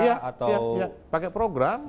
iya pakai program